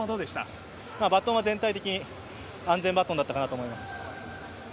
バトンは全体的に安全バトンだったかなと思います。